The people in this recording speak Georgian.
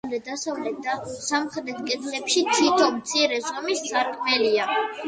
აღმოსავლეთ, დასავლეთ და სამხრეთ კედლებში თითო მცირე ზომის სარკმელია.